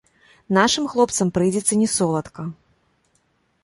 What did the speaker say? Нашым хлопцам прыйдзецца не соладка.